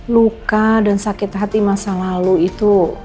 luka dan sakit hati masa lalu itu